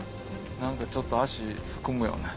何かちょっと足すくむよね。